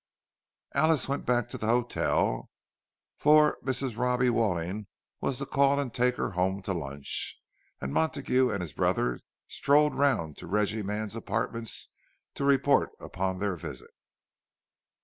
Alice went back to the hotel, for Mrs. Robbie Walling was to call and take her home to lunch; and Montague and his brother strolled round to Reggie Mann's apartments, to report upon their visit.